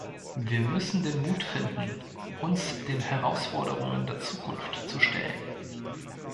Wir müssen den Mut finden, uns den Herausforderungen der Zukunft zu stellen!